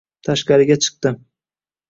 Tashqariga chiqdi.